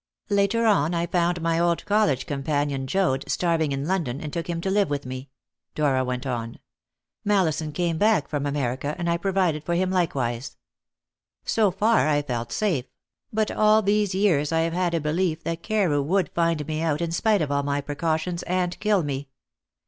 "'Later on I found my old college companion, Joad, starving in London, and took him to live with me,'" Dora went on. "'Mallison came back from America, and I provided for him likewise. So far I felt safe; but all these years I have had a belief that Carew would find me out, in spite of all my precautions, and kill me.